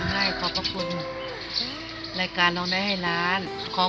ที่หลังจากจบจากรายการของเราไปแล้วเขาดีขึ้นอย่างไรบ้างนะครับเชิญเลยครับ